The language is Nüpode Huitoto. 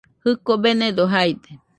Jɨko benedo jaide